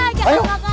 eh mbak salah dadah